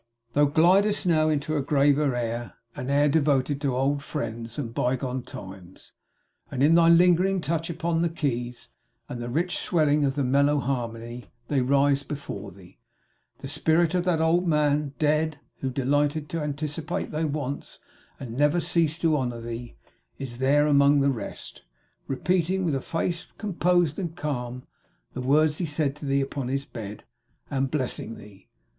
Thou glidest, now, into a graver air; an air devoted to old friends and bygone times; and in thy lingering touch upon the keys, and the rich swelling of the mellow harmony, they rise before thee. The spirit of that old man dead, who delighted to anticipate thy wants, and never ceased to honour thee, is there, among the rest; repeating, with a face composed and calm, the words he said to thee upon his bed, and blessing thee!